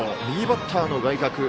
右バッターの外角。